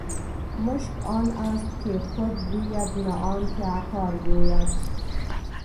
مشک آن است که خود بوید نه آن که عطار ګوید.